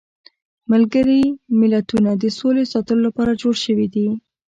ملګري ملتونه د سولې ساتلو لپاره جوړ شویدي.